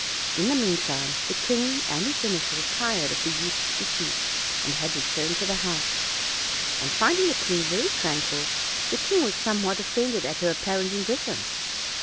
In the meantime the king and OLD, OLD FAIRY TALES. 251 his seneschal, tired of their useless pursuit, had returned to the house, and finding the queen very tranquil, the king was somewhat offended at her apparent indiffer ence.